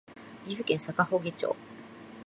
岐阜県坂祝町